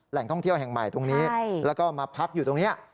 ท่องเที่ยวแห่งใหม่ตรงนี้แล้วก็มาพักอยู่ตรงนี้